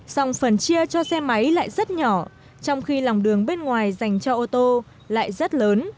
xong phần chia cho xe máy lại rất nhỏ trong khi lòng đường bên ngoài dành cho ô tô lại rất lớn